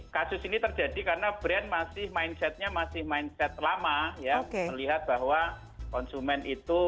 kasus ini terjadi karena brand masih mindsetnya masih mindset lama ya melihat bahwa konsumen itu